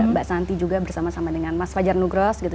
mbak santi juga bersama sama dengan mas fajar nugros gitu